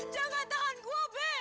jangan tahan gua be